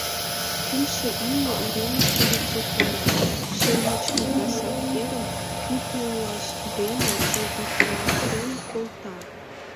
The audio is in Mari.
Кумшо имне уремыште йокроклана, шӧрмычкыл да сапкеремым кӱртньылаж дене чолдыртатен колта.